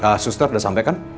ah suster udah sampe kan